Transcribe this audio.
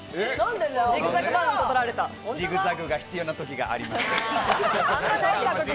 ジグザクが必要な時があります。